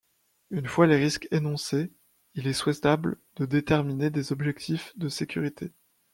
Une fois les risques énoncés, il est souhaitable de déterminer des objectifs de sécurité.